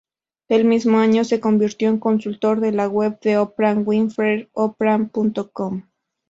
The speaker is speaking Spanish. El mismo año se convirtió en consultor de la web de Oprah Winfrey Oprah.com.